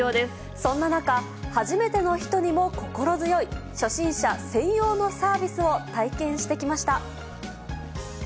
そんな中、初めての人にも心強い初心者専用のサービスを体験してきました。